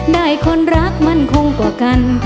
ได้คนรักมั่นคงกว่ากัน